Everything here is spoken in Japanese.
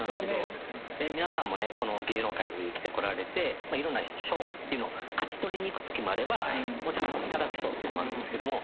皆さんもこの芸能界に生きてこられていろんな賞っていうのを勝ち取りに行くときもあればもちろん頂く賞っていうのもあるんですけれども。